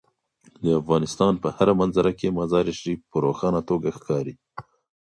د افغانستان په هره منظره کې مزارشریف په روښانه توګه ښکاري.